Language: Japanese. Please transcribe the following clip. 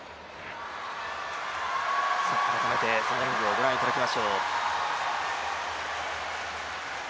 改めて演技をご覧いただきましょう。